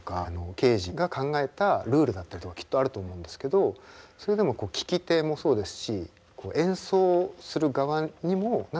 ケージが考えたルールだったりとかきっとあると思うんですけどそれでも聴き手もそうですし演奏する側にも委ねられるものがあるというか。